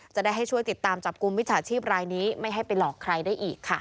จะได้ให้ช่วยติดตามจับกลุ่มมิจฉาชีพรายนี้ไม่ให้ไปหลอกใครได้อีกค่ะ